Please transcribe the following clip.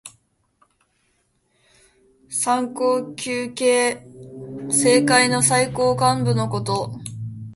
三公九卿。政界の最高幹部のこと。